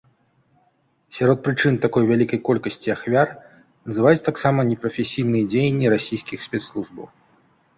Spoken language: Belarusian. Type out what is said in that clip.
Сярод прычын такой вялікай колькасці ахвяр называюць таксама непрафесійныя дзеянні расійскіх спецслужбаў.